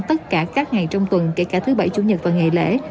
tất cả các ngày trong tuần kể cả thứ bảy chủ nhật và ngày lễ